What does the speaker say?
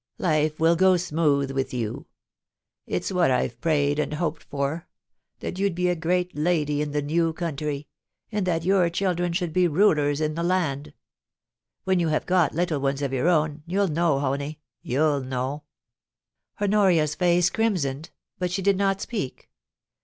Life will go smooth with you. It's what I've prayed and hoped for, that you'd be a great lady in the new country, and that your children should be rulers in the land. ... When you have got little ones of your own you'll know, Honie, you'll know,' Honoria's face crimsoned, but she did not speak.